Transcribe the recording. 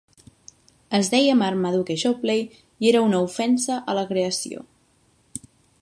Es deia Marmaduke Jopley i era una ofensa a la creació.